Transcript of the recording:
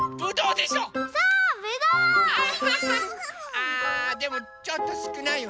あでもちょっとすくないよね。